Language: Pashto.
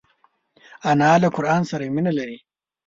انا له قران سره مینه لري